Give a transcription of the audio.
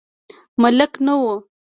ملک نه و.